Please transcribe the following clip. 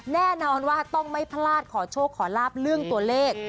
แน่นอนว่าต้องไม่พลาดขอโชคขอลาบเรื่องตัวเลข